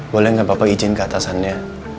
boleh nggak bapak izin ke atasannya